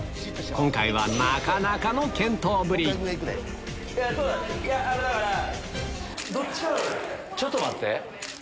今回はなかなかのちょっと待って。